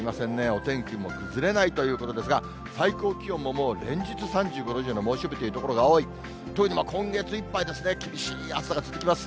お天気も崩れないということですが、最高気温ももう連日３５度以上の猛暑日という所が多い。というように、今月いっぱい厳しい暑さが続きます。